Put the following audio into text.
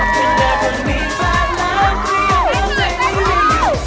คือเธอเพิ่งมีฝากแล้วคือเธอน่ารักจริงจริง